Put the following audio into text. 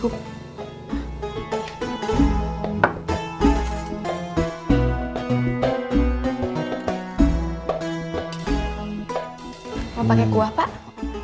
mau pake kuah pak